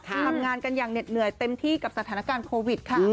ทำงานกันอย่างเหน็ดเหนื่อยเต็มที่กับสถานการณ์โควิดค่ะ